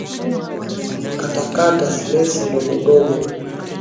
katakata slesi ndiogondogo